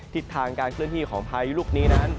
ทิศทางการเคลื่อนที่ของพายุลูกนี้นั้น